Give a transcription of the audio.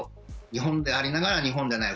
日本でありながら、日本でない。